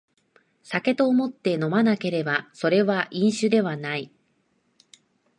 酒と思って飲まなければそれは飲酒ではない